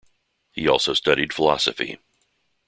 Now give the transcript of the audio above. He also studied philosophy.